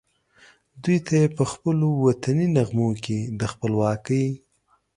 دوی ته یې پخپلو وطني نغمو کې د خپلواکۍ